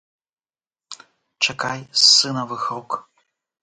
Чакай з сынавых рук.